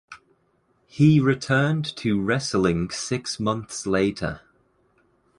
He returned to wrestling six months later.